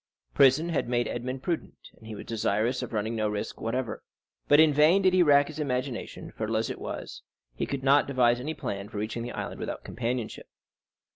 Prison had made Edmond prudent, and he was desirous of running no risk whatever. But in vain did he rack his imagination; fertile as it was, he could not devise any plan for reaching the island without companionship.